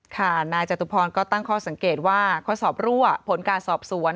ค่ะนายจตุพรก็ตั้งข้อสังเกตว่าข้อสอบรั่วผลการสอบสวน